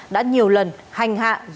đã nhiều lần hành hạng